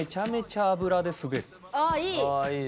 ああいい！